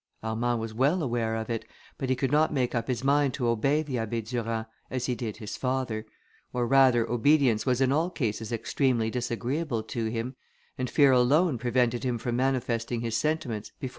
Armand was well aware of it, but he could not make up his mind to obey the Abbé Durand, as he did his father; or rather obedience was in all cases extremely disagreeable to him, and fear alone prevented him from manifesting his sentiments before M.